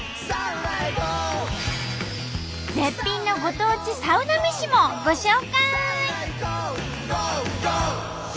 絶品のご当地サウナ飯もご紹介！